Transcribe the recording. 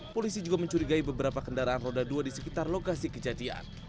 polisi juga mencurigai beberapa kendaraan roda dua di sekitar lokasi kejadian